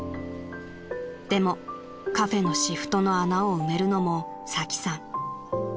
［でもカフェのシフトの穴を埋めるのもサキさん］